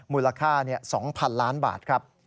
มูลค่า๒๐๐๐ล้านบาทครับ